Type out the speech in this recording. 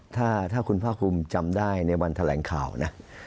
ถ้าคุณภาคภูมิจำได้ในวันแถลงข่าวนะ